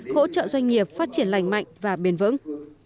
hỗ trợ doanh nghiệp phát triển lành mạnh và bền vững